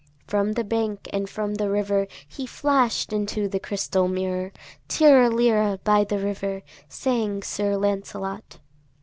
From the bank and from the river He flash'd into the crystal mirror, "Tirra lirra," by the river Sang Sir Lancelot.